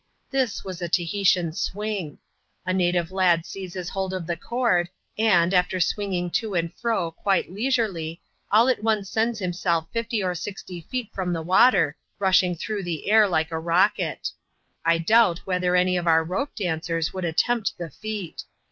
This was a Tahitian swing. A native lad seizes hold of the cord, and, after swinging to and fro quite leisurely, all at once sends himself fifty or sixty feet fcoisa. l\\ft 3170 ADVENTURES IN THE SOUTH SEAS. [chap, uck/ water, rushing through the air like a rocket. I doubt whether anj of our rope dancers would attempt the feat.